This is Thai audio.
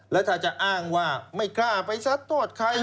แล้วถ้าจะอ้างว่าไม่กล้าไปซัดโทษใคร